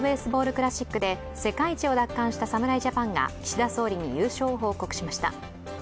クラシックで世界一を奪還した侍ジャパンが岸田総理に優勝を報告しました。